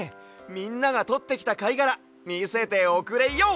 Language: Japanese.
みんながとってきたかいがらみせておくれＹＯ！